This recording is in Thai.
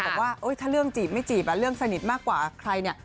บอกว่าถ้าเรื่องจีบไม่จีบเรื่องสนิทมากกว่าใครเนี่ย